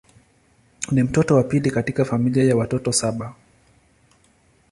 Ni mtoto wa pili katika familia ya watoto saba.